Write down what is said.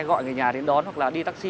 gọi người nhà đến đón hoặc là đi taxi